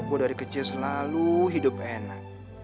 gue dari kecil selalu hidup enak